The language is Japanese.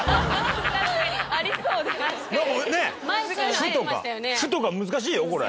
「阜」とか難しいよこれ。